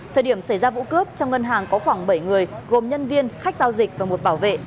thời điểm xảy ra vụ cướp trong ngân hàng có khoảng bảy người gồm nhân viên khách giao dịch và một bảo vệ